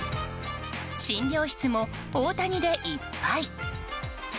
診療室も大谷でいっぱい。